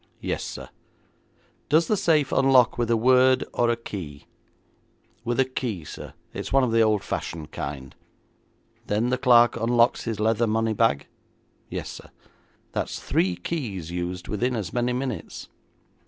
'Yes, sir.' 'Does the safe unlock with a word or a key?' 'With a key, sir. It's one of the old fashioned kind.' 'Then the clerk unlocks his leather money bag?' 'Yes, sir.' 'That's three keys used within as many minutes.